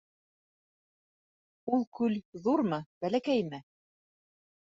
Ул күл ҙурмы, бәләкәйме?